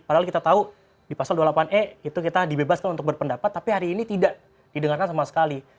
padahal kita tahu di pasal dua puluh delapan e itu kita dibebaskan untuk berpendapat tapi hari ini tidak didengarkan sama sekali